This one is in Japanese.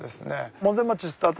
門前町をスタート。